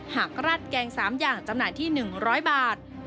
กรัดแกง๓อย่างจำหน่ายที่๑๐๐บาท